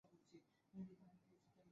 কংগ্রেসের না তিন বামপন্থী দলের?